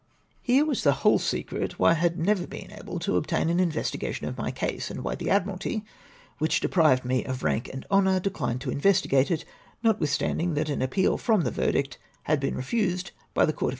Here was the whole secret why I had never been able to obtam an mvestigation of my case, and why the Admiralty, wliich deprived me of rank and honom% dechned to mvestigate it, notwithstanding that an appeal from the verdict had been refused by the Court * My restoration to rank.